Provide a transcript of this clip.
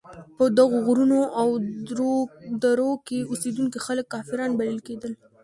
په دغو غرونو او درو کې اوسېدونکي خلک کافران بلل کېدل.